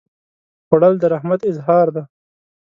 خوړل د رحمت اظهار دی